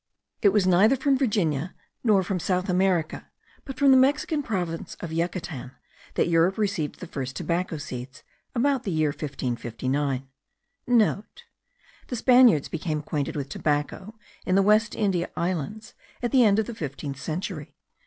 It was neither from Virginia, nor from South America, but from the Mexican province of Yucatan, that Europe received the first tobacco seeds, about the year 1559.* (* The Spaniards became acquainted with tobacco in the West India Islands at the end of the 15th century.